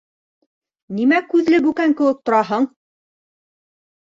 - Нимә күҙле бүкән кеүек тораһың?!